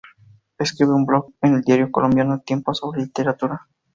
Escribe un blog en el diario colombiano "El Tiempo" sobre literatura.